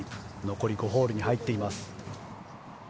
残り５ホールに入っています。